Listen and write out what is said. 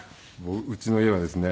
うちの家はですね